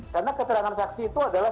karena keterangan saksi itu adalah